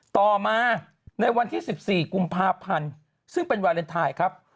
ต่อมาในวันที่๑๔กุมภาพันธ์ซึ่งเป็นวาเลนไทยครับ